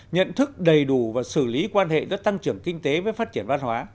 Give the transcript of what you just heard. nhận thức đầy đủ và xử lý quan hệ giữa tăng trưởng kinh tế với phát triển văn hóa